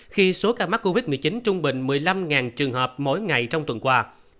khi số ca mắc covid một mươi chín trung bình một mươi năm trường hợp mỗi ngày trong tuần qua